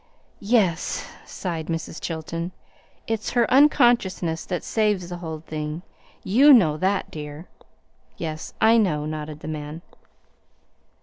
"Yes," sighed Mrs. Chilton. "It's her unconsciousness that saves the whole thing. YOU know that, dear." "Yes, I know," nodded the man.